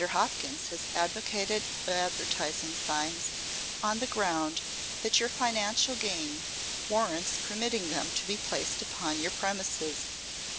Hopkins has advocated advertising signs on the ground that your financial gain warrants permitting them to be placed upon your premises.